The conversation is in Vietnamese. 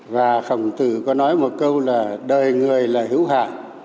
và phòng tử có nói một câu là đời người là hữu hạng